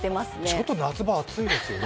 ちょっと夏場、暑いですよね？